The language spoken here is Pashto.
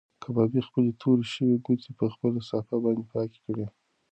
کبابي خپلې تورې شوې ګوتې په خپله صافه باندې پاکې کړې.